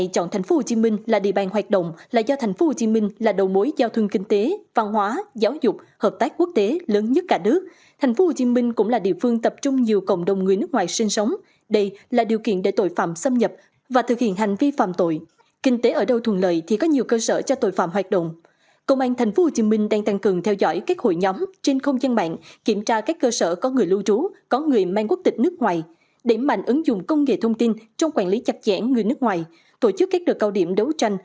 công an thành phố hồ chí minh đang tăng cường theo dõi các hội nhóm trên không gian mạng kiểm tra các cơ sở có người lưu trú có người mang quốc tịch nước ngoài để mạnh ứng dụng công nghệ thông tin trong quản lý tài liệu